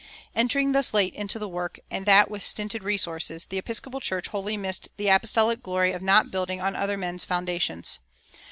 [333:1] Entering thus late into the work, and that with stinted resources, the Episcopal Church wholly missed the apostolic glory of not building on other men's foundations.